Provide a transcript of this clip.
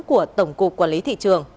của tổng cục quản lý thị trường